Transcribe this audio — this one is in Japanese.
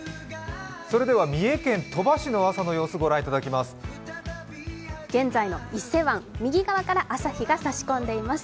三重県鳥羽市の朝の様子ご覧いただきます。